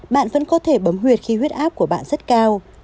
bạn vẫn có thể bấm huyệt khi huyết áp của bạn rất cao